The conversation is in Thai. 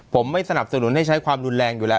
ผมไม่สนับสนุนให้ใช้ความรุนแรงอยู่แล้ว